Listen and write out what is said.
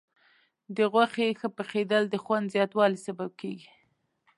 د غوښې ښه پخېدل د خوند زیاتوالي سبب کېږي.